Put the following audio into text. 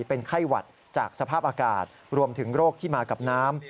เป็นไข้หวัดจากสภาพอากาศรวมถึงโรคที่มากับน้ำ